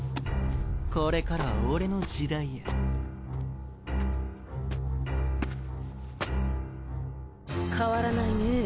これからはオレの時代や変わらないね